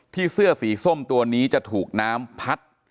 เสื้อสีส้มตัวนี้จะถูกน้ำพัด